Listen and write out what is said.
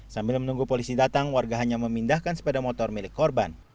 sambil menunggu polisi datang warga hanya memindahkan sepeda motor milik korban